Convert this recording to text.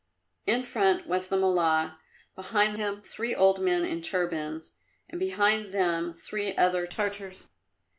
In front was the Mullah, behind him three old men in turbans, and behind them three other Tartars.